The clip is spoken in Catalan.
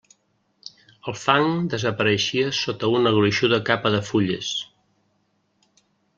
El fang desapareixia sota una gruixuda capa de fulles.